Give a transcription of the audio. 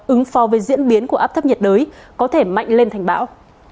ứng phó với diễn biến của áp thấp nhiệt đới có thể mạnh lên thành bão